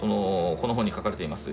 この本に書かれています